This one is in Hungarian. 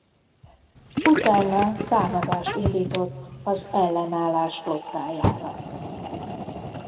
Utána támadást indított az Ellenállás flottájára.